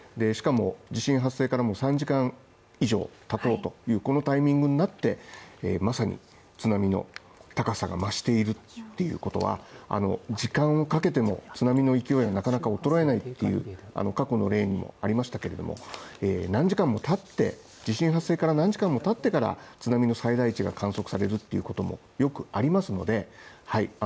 しかも、地震発生からもう３時間以上たとうというこのタイミングになってまさに津波の高さが増しているということは、あの時間をかけても津波の勢いはなかなか衰えないあの過去の例もありましたけれども、何時間も経って、地震発生から何時間も経ってから津波の最大値が観測されるっていうこともよくありますので、はい。